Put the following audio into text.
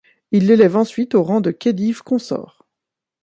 Il l'élève ensuite au rang de Khédive Consort.